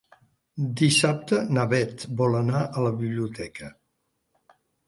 Dissabte na Bet vol anar a la biblioteca.